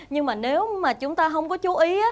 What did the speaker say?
nhưng mà nếu mà chúng ta không có chú ý